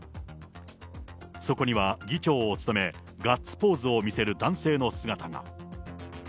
そこには議長を務め、ガッツポーズを見せる男性の姿が。